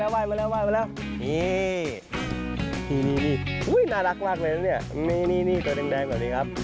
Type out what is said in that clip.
นี่นี่นี่นี่นี่นี่นี่นี่นี่นี่ตัวแดงแบบนี้ครับ